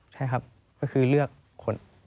ใช่ครับก็คือเลือกคน